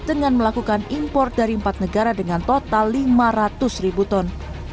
dengan melakukan import dari empat negara dengan total lima ratus ribu ton